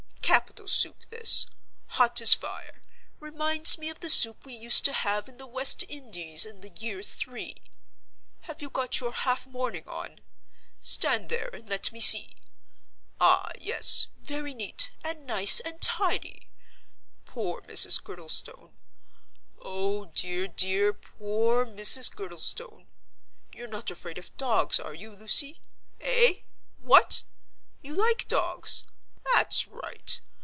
Capital soup this—hot as fire—reminds me of the soup we used to have in the West Indies in the year Three. Have you got your half mourning on? Stand there, and let me see. Ah, yes, very neat, and nice, and tidy. Poor Mrs. Girdlestone! Oh dear, dear, dear, poor Mrs. Girdlestone! You're not afraid of dogs, are you, Lucy? Eh? What? You like dogs? That's right!